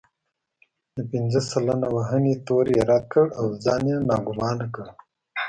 د پنځه سلنه وهنې تور يې رد کړ او ځان يې ناګومانه کړ.